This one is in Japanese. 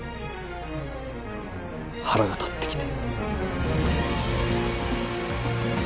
腹が立ってきて。